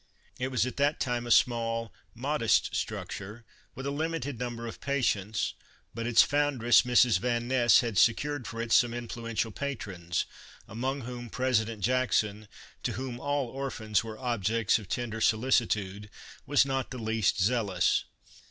It was at that time a small, modest structure with a limited number of patients, but its foundress, Mrs. Van Ness, had secured for it some influential patrons, among whom President Jackson, to whom all orphans were objects of tender solicitude, was not the least zealous.